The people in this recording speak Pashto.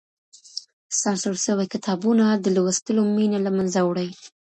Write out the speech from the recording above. سانسور سوي کتابونه د لوستلو مينه له منځه وړي.